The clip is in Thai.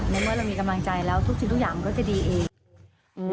เมื่อเรามีกำลังใจแล้วทุกสิ่งทุกอย่างมันก็จะดีเอง